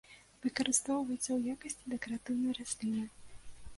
Выкарыстоўваецца ў якасці дэкаратыўнай расліны.